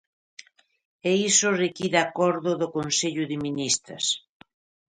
E iso require acordo do Consello de Ministras.